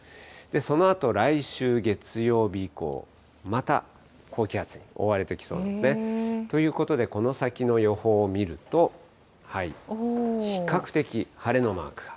そのあと来週月曜日以降、また、高気圧に覆われてきそうですね。ということで、この先の予報を見ると、比較的晴れのマークが。